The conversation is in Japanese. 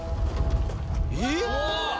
えっ！